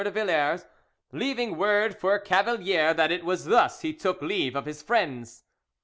de Villars, leaving word for Cavalier that it was thus he took leave of his friends.